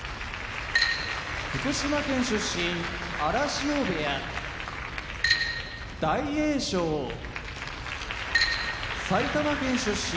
福島県出身荒汐部屋大栄翔埼玉県出身